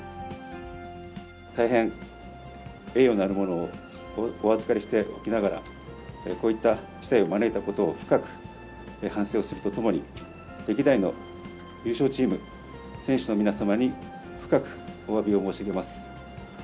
大変栄誉のあるものをお預かりしておきながら、こういった事態を招いたことを深く反省をするとともに、歴代の優勝チーム、選手の皆様に、深くおわびを申し上げます。